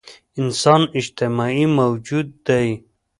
انسان اجتماعي موجود دی.